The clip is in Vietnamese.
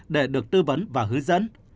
để được tư vấn và hướng dẫn